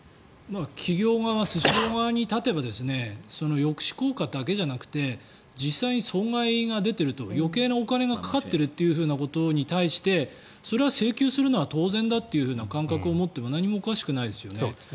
企業側スシロー側に立てば抑止効果だけじゃなくて実際に損害が出てると余計なお金がかかってることに対してそれは請求するのは当然だという感覚を持っても何もおかしくないですよね。